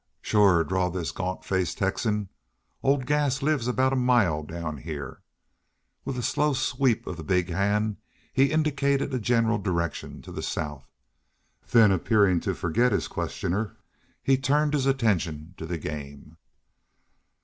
"Shore," drawled this gaunt faced Texan, "old Gass lives aboot a mile down heah." With slow sweep of the big hand he indicated a general direction to the south; then, appearing to forget his questioner, he turned his attention to the game.